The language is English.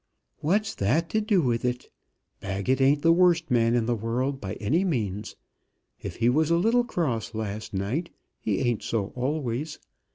"What's that to do with it? Baggett ain't the worst man in the world by any means. If he was a little cross last night, he ain't so always.